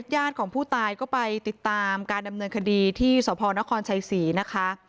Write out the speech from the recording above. ญาติของผู้ตายก็ไปติดตามการดำเนินคดีที่สพนครชัยศรีนะคะ